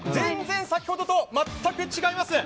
先ほどと全く違います。